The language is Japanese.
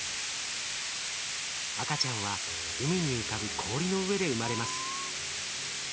赤ちゃんは海に浮かぶ氷の上で生まれます。